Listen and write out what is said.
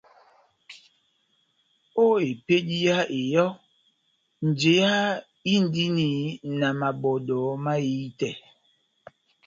Ó epédi yá eyɔ́, njeyá inidini na mabɔ́dɔ mahiti.